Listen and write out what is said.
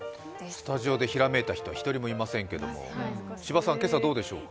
スタジオでひらめいた人は１人もいませんけど、千葉さんは今朝はどうですか？